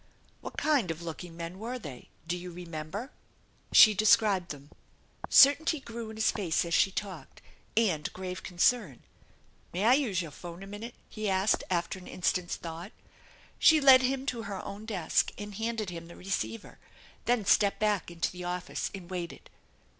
"What kind of looking men were they? Do you remember ?" She described them. Certainty grew in his face as she talked, and grave concern. " May I use your phone a minute ?" he asked after an instant's thought. She led him to her own desk and handed him the receiver, then stepped back into the office and waited.